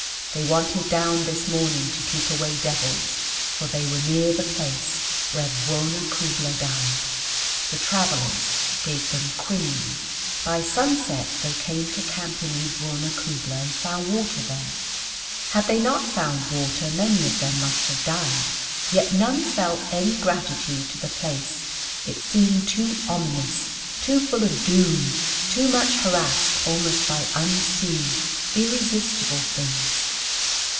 They wanted down this morning to keep away devils, for they were near the place where Bwona Khubla died. The travelers gave them quinine. By sunset the came to Campini Bwona Khubla and found water there. Had they not found water many of them must have died, yet none felt any gratitude to the place, it seemed too ominous, too full of doom, too much harassed almost by unseen, irresistible things.